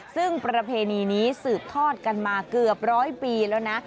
ซึ่งประเพณีนี้สืบทอดกันมาเกือบร้อยปีแล้วนะ